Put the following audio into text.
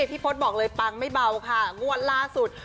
พี่พศบอกเลยปังไม่เบาค่ะงวดล่าสุด